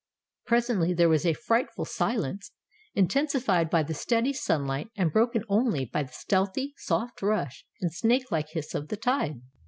Presently there was a frightful silence, intensified by the steady sunlight, and broken only by the stealthy, soft rush and snake like hiss of the tide.